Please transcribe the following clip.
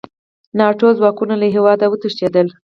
ناټو ځواکونه له هېواده وتښتېدل.